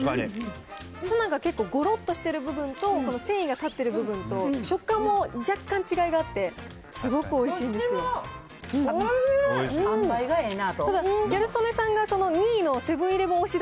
ツナが結構ごろっとしてる部分と、繊維が立ってる部分と、食感も若干違いがあって、すごくおいしいおいしい！